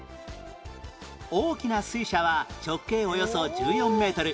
大きな水車は直径およそ１４メートル